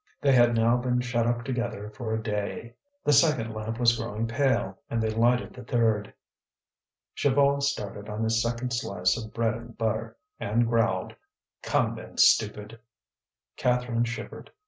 They had now been shut up together for a day. The second lamp was growing pale, and they lighted the third. Chaval started on his second slice of bread and butter, and growled: "Come then, stupid!" Catherine shivered.